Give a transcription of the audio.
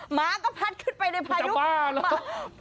หมาก็พัดขึ้นไปในพายุ